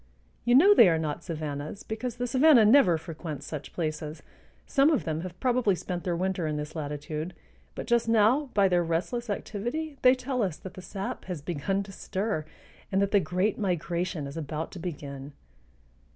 You know they are not savannas, because the savanna never frequents such places. Some of them have probably spent their winter in this latitude; but just now by their restless activity they tell us that the sap has begun to stir and that the great migration is about to begin.